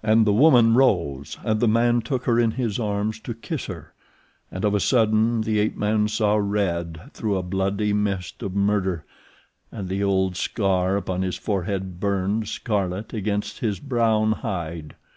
And the woman rose, and the man took her in his arms to kiss her, and of a sudden the ape man saw red through a bloody mist of murder, and the old scar upon his forehead burned scarlet against his brown hide.